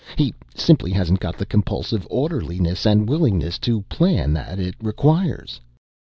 He simply hasn't got the compulsive orderliness and willingness to plan that it requires."